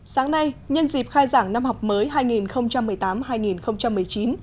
sáng nay nhân dịp khai giảng năm học mới hai nghìn một mươi tám hai nghìn một mươi chín